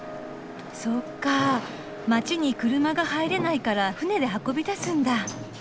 そっか街に車が入れないから船で運び出すんだ。